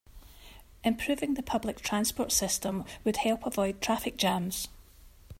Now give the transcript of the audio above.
Improving the public transport system would help avoid traffic jams.